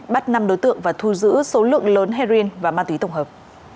bắt năm đối tượng và thu giữ số lượng lớn heroin và ma túy tổng hợp